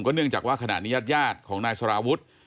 เนื่องจากว่าขณะนี้ญาติของนายสารวุฒิ